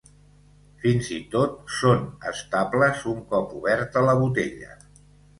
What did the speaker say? Fins i tot són estables un cop oberta la botella.